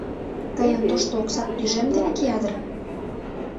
Тыйын тошто оксат тӱжем дене кия дыр?